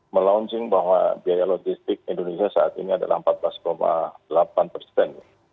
melaunching bahwa biaya logistik indonesia saat ini adalah empat belas delapan persen